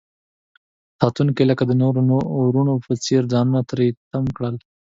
ساتونکي لکه د نورو ورونو په څیر ځانونه تری تم کړل.